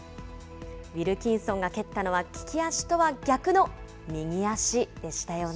ウィルキンソンが蹴ったのは利き足とは逆の右足でしたよね。